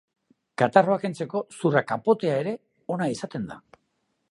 Katarroa kentzeko zurrakapotea ere ona izaten da.